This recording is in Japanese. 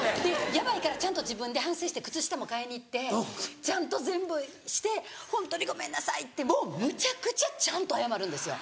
ヤバいからちゃんと自分で反省して靴下も買いに行ってちゃんと全部して「ホントにごめんなさい」ってもうむちゃくちゃちゃんと謝るんですよ。